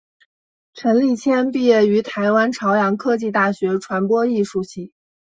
陈立谦毕业于台湾朝阳科技大学传播艺术系。